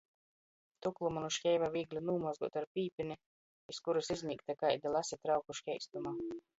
Tuklumu nu škeiva vīgli nūmozguot ar pīpini, iz kurys izmīgta kaida lase trauku škeistuma.